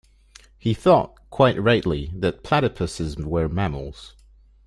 He thought, quite rightly, that platypuses were mammals.